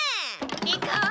行こう！